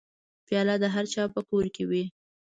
پیاله د هرچا په کور کې وي.